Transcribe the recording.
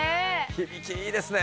響きいいですね。